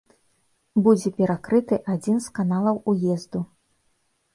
Будзе перакрыты адзін з каналаў уезду.